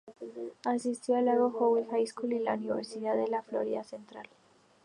Asistió a Lago Howell High School y la Universidad de la Florida Central.